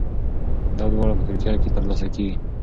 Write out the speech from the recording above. دا دواړه په ترکیه کې ترلاسه کیږي.